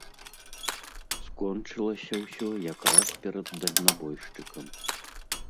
Скончылася ўсё якраз перад дальнабойшчыкам.